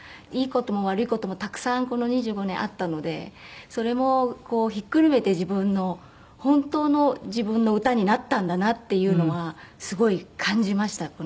いい事も悪い事もたくさんこの２５年あったのでそれもひっくるめて自分の本当の自分の歌になったんだなっていうのはすごい感じました